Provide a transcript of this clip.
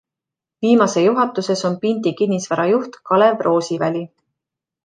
Viimase juhatuses on Pindi Kinnisvara juht Kalev Roosiväli.